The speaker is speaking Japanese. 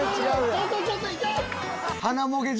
本当にちょっと痛い！